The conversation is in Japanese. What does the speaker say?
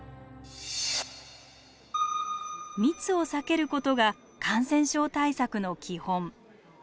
密を避けることが感染症対策の基本。